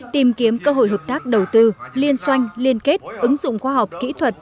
tìm kiếm cơ hội hợp tác đầu tư liên xoanh liên kết ứng dụng khoa học kỹ thuật